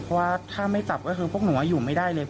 เพราะว่าถ้าไม่จับก็คือพวกหนูอยู่ไม่ได้เลย